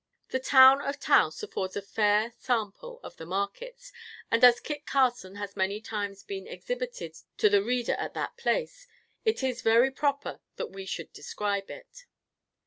The town of Taos affords a fair sample of the markets, and as Kit Carson has many times been exhibited to the reader at that place, it is very proper that we should describe it.